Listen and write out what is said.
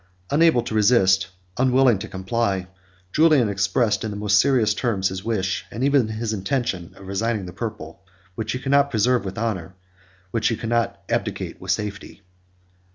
Unable to resist, unwilling to comply, Julian expressed, in the most serious terms, his wish, and even his intention, of resigning the purple, which he could not preserve with honor, but which he could not abdicate with safety.